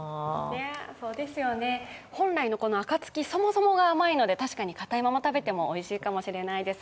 本来のあかつきそもそもが甘いので、確かに固いまま食べてもおいしいかもしれないです。